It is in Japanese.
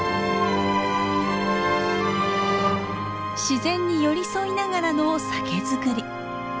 自然に寄り添いながらの酒造り。